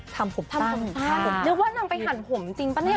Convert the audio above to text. ทำผมตั้งค่ะนึกว่านางไปหั่นผมจริงป่ะเนี่ย